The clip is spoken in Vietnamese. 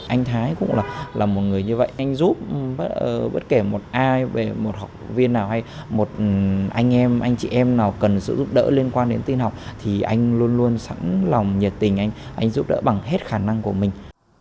anh thái cũng là một người như vậy anh giúp bất kể một ai về một học viên nào hay một anh em anh chị em nào cần sự giúp đỡ liên quan đến tin học thì anh luôn luôn sẵn lòng nhiệt tình anh giúp đỡ bằng hết khả năng của mình